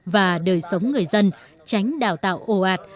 và đời sống người dân tránh đào tạo ồ ạt